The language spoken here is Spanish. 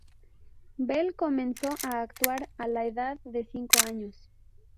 Bell comenzó a actuar a la edad de cinco años.